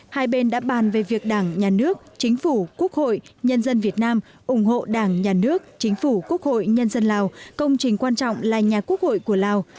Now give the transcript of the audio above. hai bên đã bàn về việc đảng nhà nước chính phủ quốc hội nhân dân việt nam ủng hộ đảng nhà nước chính phủ quốc hội nhân dân lào công trình quan trọng là nhà quốc hội của lào